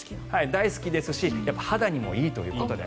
大好きですし肌にもいいということで。